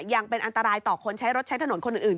ยังเป็นอันตรายต่อคนใช้รถใช้ถนนคนอื่น